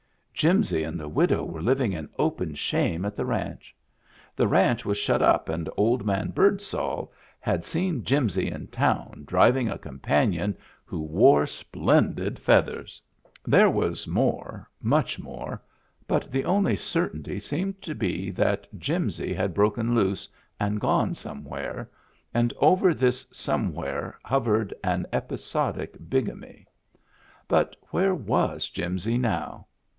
Jimsy and the widow were living in open shame at the ranch. The ranch was shut up and old man Birdsall had seen Jimsy in town, driving Digitized by Google THE DRAKE WHO HAD MEANS OF HIS OWN 315 a companion who wore splendid feathers. There was more, much more, but the only certainty seemed to be that Jimsy had broken loose and gone somewhere — and over this somewhere hov ered an episodic bigamy. But where was Jimsy now?